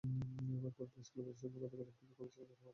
রংপুর প্রেসক্লাবের সামনে থেকে গতকাল একটি বিক্ষোভ মিছিল বের করা হয়।